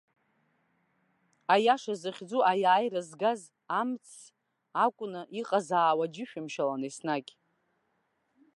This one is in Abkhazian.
Аиаша захьӡу аиааира згаз амц акәны иҟазаауа џьышәымшьалан еснагь!